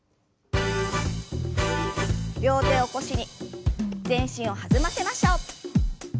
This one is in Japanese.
両手を腰に全身を弾ませましょう。